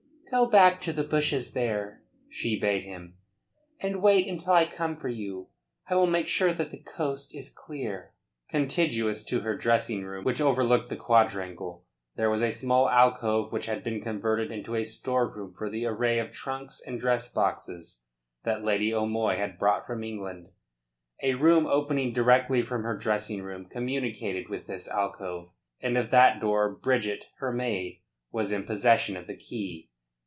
"Go back to the bushes there," she bade him, "and wait until I come for you. I will make sure that the coast is clear." Contiguous to her dressing room, which overlooked the quadrangle, there was a small alcove which had been converted into a storeroom for the array of trunks and dress boxes that Lady O'Moy had brought from England. A door opening directly from her dressing room communicated with this alcove, and of that door Bridget, her maid, was in possession of the key.